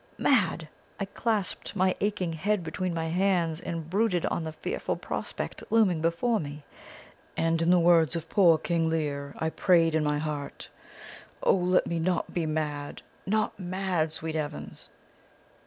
Mad! I clasped my aching head between my hands, and brooded on the fearful prospect looming before me, and in the words of poor King Lear, I prayed in my heart: "'O let me not be mad, not mad, sweet heavens!'